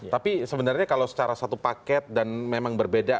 tapi sebenarnya kalau secara satu paket dan memang berbeda